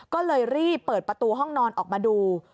ก็เลยรีบเปิดประตูห้องนอนออกมาดู